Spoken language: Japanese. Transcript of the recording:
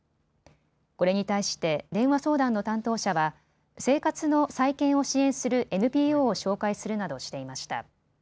これに対して電話相談の担当者は生活の再建を支援するＮＰＯを紹介するなどしていました。